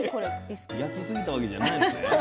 焼きすぎたわけじゃないのね。